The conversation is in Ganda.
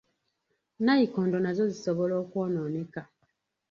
Nayikondo nazo zisobola okwonooneka.